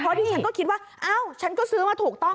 ที่ฉันก็คิดว่าอ้าวฉันก็ซื้อมาถูกต้อง